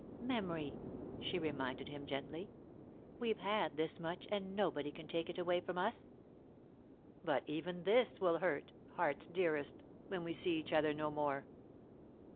"Memory," she reminded him gently. "We've had this much and nobody can take it away from us." [Sidenote: Memories] "But even this will hurt, heart's dearest, when we see each other no more."